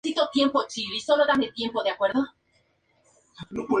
Como contrapartida, los nacionalistas formaron los Voluntarios Irlandeses.